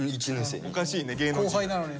おかしいね芸能人なのに。